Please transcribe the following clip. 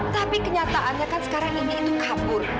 tapi kenyataannya kan sekarang ini itu kabur